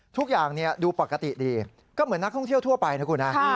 ทุกอย่างดูปกติดีก็เหมือนนักท่องเที่ยวทั่วไปนะคุณฮะ